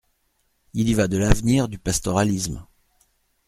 Il y va de l’avenir du pastoralisme.